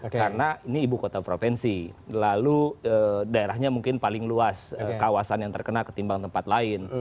karena ini ibu kota provinsi lalu daerahnya mungkin paling luas kawasan yang terkena ketimbang tempat lain